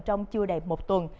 trong chưa đầy một tuần